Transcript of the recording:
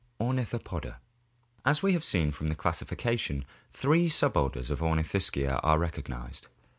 Ornithopoda. — As we have seen from the classification (page 505) , three suborders of Ornithischia are recognized.